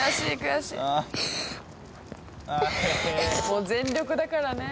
「もう全力だからね」